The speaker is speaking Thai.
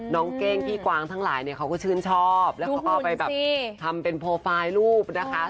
เก้งพี่กวางทั้งหลายเนี่ยเขาก็ชื่นชอบแล้วเขาก็เอาไปแบบทำเป็นโปรไฟล์รูปนะคะ